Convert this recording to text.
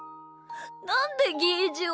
なんでゲージは。